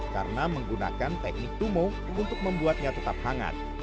karena menggunakan teknik tumo untuk membuatnya tetap hangat